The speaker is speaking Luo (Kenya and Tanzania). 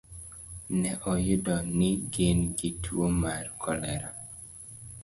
Ne oyudi ni gin gi tuwo mar kolera.